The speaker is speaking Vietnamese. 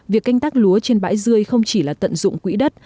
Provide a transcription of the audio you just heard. việc canh tác lúa trên bãi dươi không chỉ là tận dụng quỹ đất